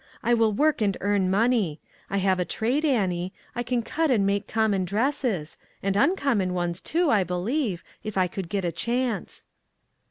I will work and earn money. I have a trade, Annie; I can cut and make common dresses; and uncommon ones, too, I believe, if I could get a chance."